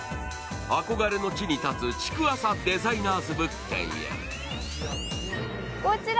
憧れの地に建つ、築浅デザイナーズ物件へ。